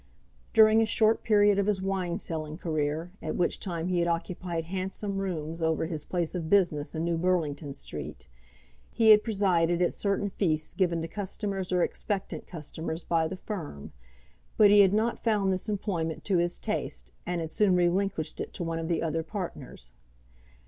During a short period of his wine selling career, at which time he had occupied handsome rooms over his place of business in New Burlington Street, he had presided at certain feasts given to customers or expectant customers by the firm; but he had not found this employment to his taste, and had soon relinquished it to one of the other partners.